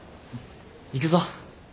行くぞ。